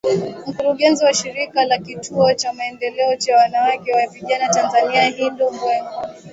Mkurugenzi wa shirika la kituo cha maendeleo cha wanawake na vijana Tanzania Hindu Mbwego